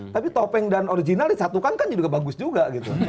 tapi topeng dan original disatukan kan juga bagus juga gitu